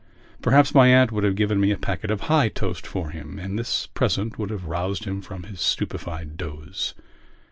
Perhaps my aunt would have given me a packet of High Toast for him and this present would have roused him from his stupefied doze.